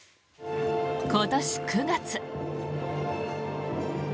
今年９月。